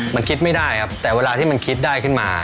มันคิดไม่ได้ครับแต่เวลาที่มันคิดได้ขึ้นมา